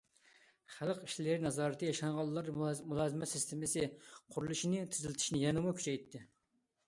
خەلق ئىشلىرى نازارىتى ياشانغانلار مۇلازىمەت سىستېمىسى قۇرۇلۇشىنى تېزلىتىشنى يەنىمۇ كۈچەيتتى.